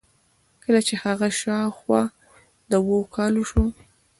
کله چې هغه شاوخوا د اوو کالو شو.